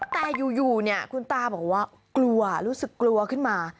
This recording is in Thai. แต่อยู่เนี่ยคุณตาบอกว่ากลัวรู้สึกกลัวขึ้นมา